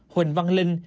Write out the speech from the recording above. huỳnh văn linh